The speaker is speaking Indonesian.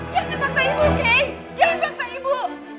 jangan paksa ibu kay jangan paksa ibu